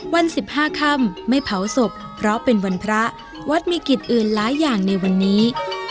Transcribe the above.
วัน๑๕ค่ำไม่เผาศพเพราะเป็นวันพระวัดมีกิจอื่นหลายอย่างในวันนี้